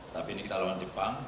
tapi ini kita lawan jepang